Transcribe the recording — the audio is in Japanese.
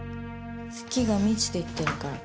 月が満ちていってるから。